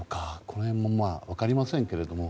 この辺も分かりませんけれども。